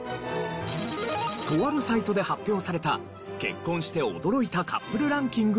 とあるサイトで発表された結婚して驚いたカップルランキングによると。